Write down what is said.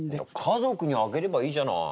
家族にあげればいいじゃない！